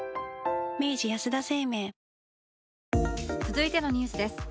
続いてのニュースです